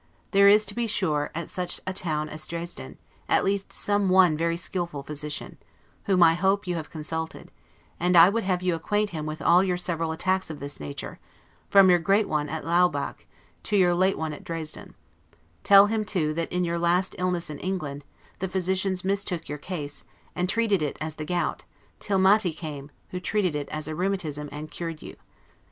There is, to be sure, at such a town as Dresden, at least some one very skillful physician, whom I hope you have consulted; and I would have you acquaint him with all your several attacks of this nature, from your great one at Laubach, to your late one at Dresden: tell him, too, that in your last illness in England, the physicians mistook your case, and treated it as the gout, till Maty came, who treated it as a rheumatism, and cured you.